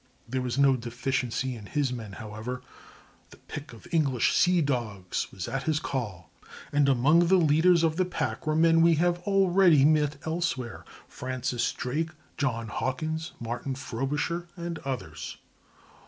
There was no deficiency in his men, however,—the pick of English "sea dogs" was at his call; and among the leaders of the pack were men we have already met elsewhere—Francis Drake, John Hawkins, Martin Frobisher, and others.